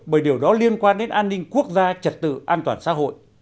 bởi điều đó liên quan đến an ninh quốc gia trật tự an toàn xã hội